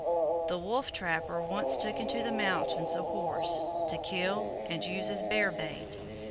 That wolf trapper once took into the mountains a horse, to kill and use as bear bait.